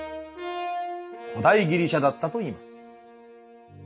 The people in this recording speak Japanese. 古代ギリシャだったといいます。